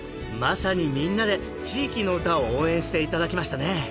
まさにみんなで地域の唄を応援して頂きましたね